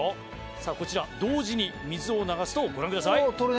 さぁこちら同時に水を流すとご覧ください。